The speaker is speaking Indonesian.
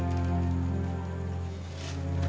aku sudah mencintai kamila